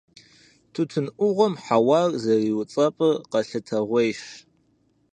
Тутын Ӏугъуэм хьэуар зэриуцӀэпӀыр къэлъытэгъуейщ.